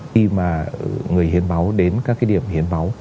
khi mà người hiến máu đến các cái điểm hiến máu